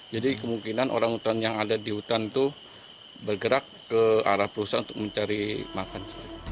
jadi kemungkinan orang utan yang ada di hutan itu bergerak ke arah perusahaan untuk mencari makan